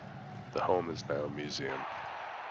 The home is now a museum.